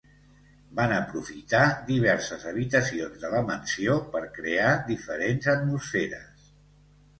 Van aprofitar diverses habitacions de la mansió per crear diferents atmosferes.